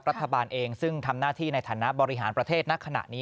รัฐบาลเองซึ่งทำหน้าที่ในฐานะบริหารประเทศณขณะนี้